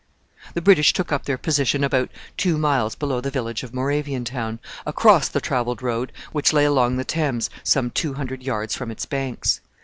The British took up their position about two miles below the village of Moraviantown, across the travelled road which lay along the Thames some two hundred yards from its banks.